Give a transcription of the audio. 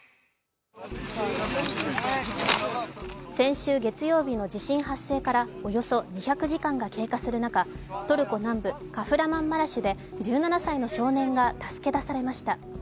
先週月曜日の地震発生からおよそ２００時間が経過する中、トルコ南部カフラマンマラシュで１７歳の少年が助け出されました。